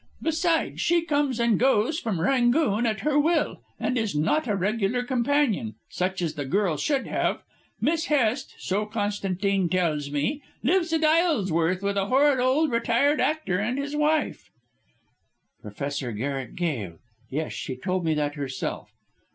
Besides, she comes and goes from 'Rangoon' at her will, and is not a regular companion, such as the girl should have. Miss Hest, so Constantine tells me, lives at Isleworth with a horrid old retired actor and his wife." "Professor Garrick Gail. Yes; she told me that herself."